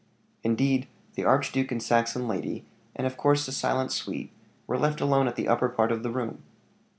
Indeed, the archduke and Saxon lady, and of course the silent suite, were left alone at the upper part of the room.